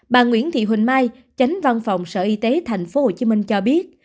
bà nguyễn thị huỳnh mai chánh văn phòng sở y tế thành phố hồ chí minh cho biết